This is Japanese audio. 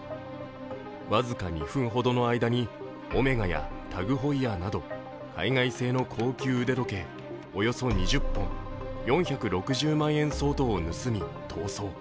僅か２分ほどの間にＯＭＥＧＡやＴＡＧＨｅｕｅｒなど海外製の高級腕時計およそ２０本、４６０万円相当を盗み逃走。